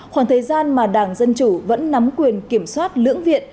khoảng thời gian mà đảng dân chủ vẫn nắm quyền kiểm soát lưỡng viện